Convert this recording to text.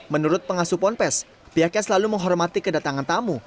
menurut pengasuh ponpes pihaknya selalu menghormati kedatangan tamu